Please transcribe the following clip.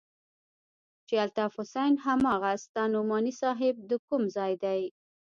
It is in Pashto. چې الطاف حسين هماغه ستا نعماني صاحب د کوم ځاى دى.